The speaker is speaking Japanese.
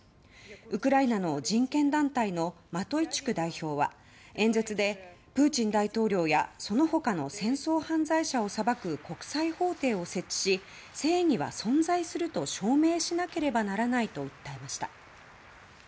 ウクライナの人権団体のマトイチュク代表は演説でプーチン大統領やその他の戦争犯罪者を裁く国際法廷を設置し正義は存在すると証明しなければならないと訴えました。